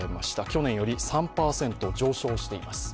去年より３％上昇しています。